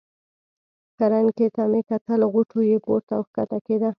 کرنکې ته مې کتل، غوټو یې پورته او کښته کېده.